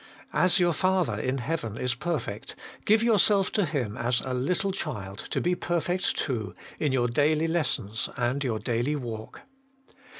As your Father in heaven is perfect, give yourself to Him as a little child to be perfect too in your daily lessons and your daily walk.